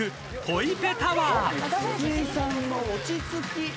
筒井さんの落ち着き。